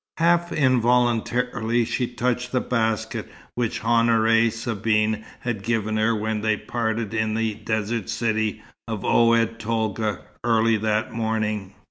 Half involuntarily she touched the basket which Honoré Sabine had given her when they parted in the desert city of Oued Tolga early that morning.